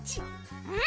うん。